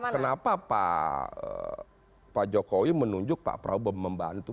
kenapa pak jokowi menunjuk pak prabowo membantu